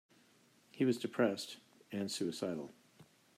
He was depressed and suicidal.